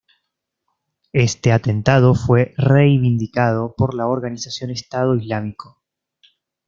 Este atentado fue reivindicado por la organización Estado Islámico.